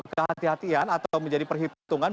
kehati hatian atau menjadi perhitungan